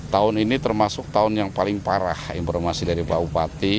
tahun ini termasuk tahun yang paling parah informasi dari pak bupati